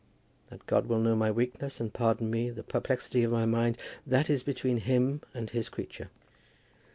That God will know my weakness and pardon me the perplexity of my mind, that is between Him and His creature.